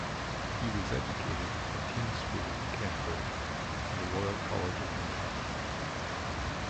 He was educated at King's School, Canterbury and the Royal College of Music.